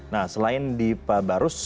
nah selain di barus